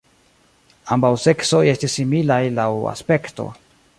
Ambaŭ seksoj estis similaj laŭ aspekto.